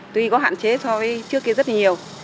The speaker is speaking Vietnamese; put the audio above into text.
tuy có hạn chế so với trước kia rất nhiều